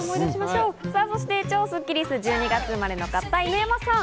そして超スッキりすは１２月生まれの方、犬山さん。